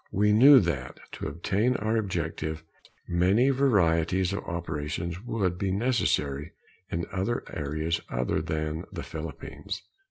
We knew that, to obtain our objective, many varieties of operations would be necessary in areas other than the Philippines.